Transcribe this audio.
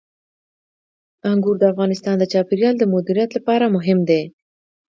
انګور د افغانستان د چاپیریال د مدیریت لپاره مهم دي.